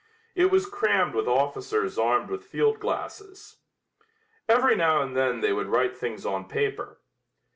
It was crammed with officers armed with field glasses. Every now and then they would write things on paper.